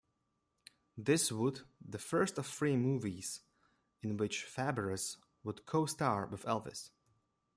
This would the first of three movies in which Fabares would co-star with Elvis.